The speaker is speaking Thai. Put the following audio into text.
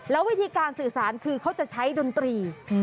แล้ววิธีการสื่อสารคือเขาจะใช้ดนตรี